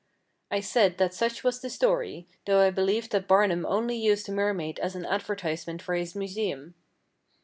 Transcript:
I said that such was the story, though I believed that Barnum only used the mermaid as an advertisement for his Museum.